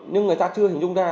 nhưng người ta chưa hình dung ra